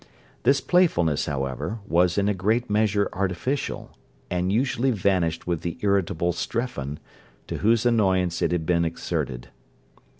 This playfulness, however, was in a great measure artificial, and usually vanished with the irritable Strephon, to whose annoyance it had been exerted.